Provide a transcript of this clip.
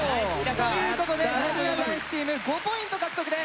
ということでなにわ男子チーム５ポイント獲得です。